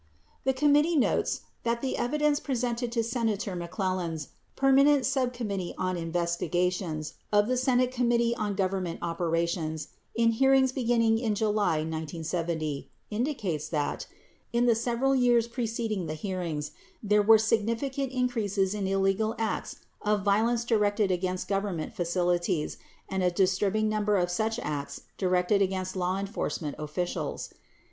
7 The committee notes that the evidence presented to Senator Mc Clellan's Permanent Subcommittee on Investigations of the Senate Committee on Government Operations, in hearings beginning in July 1970, indicates that, in the several years preceding the hearings, there were significant increases in illegal acts of violence directed against Government facilities and a disturbing number of such acts directed against law enforcement officials.